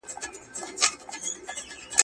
که سياسي نظام غښتلی وي نو هېواد به خوندي وي.